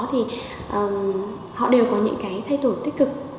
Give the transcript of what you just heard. thì họ đều có những cái thay đổi tích cực